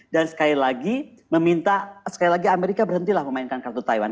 dan sekali lagi meminta sekali lagi amerika berhentilah memainkan kartu taiwan